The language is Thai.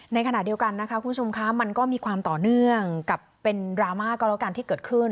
ในขณะเดียวกันนะคะคุณผู้ชมคะมันก็มีความต่อเนื่องกับเป็นดราม่าก็แล้วกันที่เกิดขึ้น